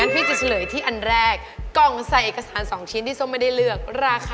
อันนี้ถูกของน้องแวนน่ะครับ